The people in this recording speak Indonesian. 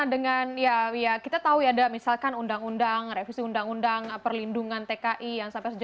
dengan undang undang tiga puluh sembilan sampai saat